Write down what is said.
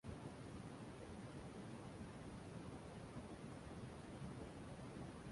কাঁধে অস্ত্রোপচার করার প্রয়োজন ছিল।